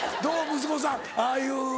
息子さんああいう。